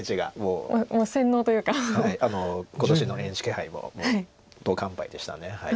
今年のＮＨＫ杯ももう完敗でした。